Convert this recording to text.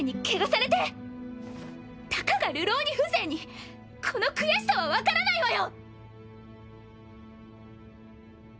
たかが流浪人風情にこの悔しさは分からないわよ！